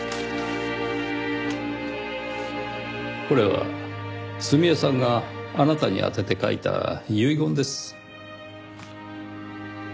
これは澄江さんがあなたに宛てて書いた遺言です。